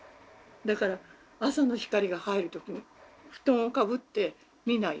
だから朝の光が入る時布団をかぶって見ないように。